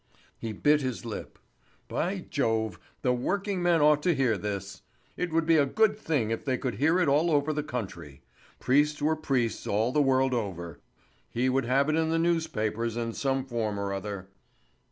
He bit his lip. By Jove, the working men ought to hear this! It would be a good thing if they could hear it all over the country. Priests were priests all the world over. He would have it in the newspapers in some form or other.